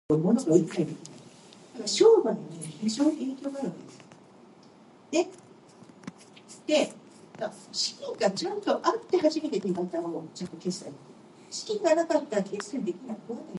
Yallop lives in North London and describes himself as a "Catholic agnostic".